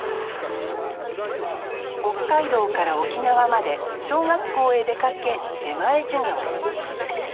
北海道から沖縄まで小学校へ出かけ出前授業。